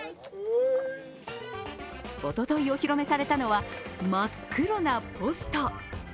おととい、お披露目されたのは真っ黒なポスト。